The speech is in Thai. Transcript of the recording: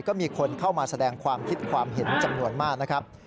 ก็มีคนเข้ามาแสดงความคิดความเห็นจำนวนมากนะครับ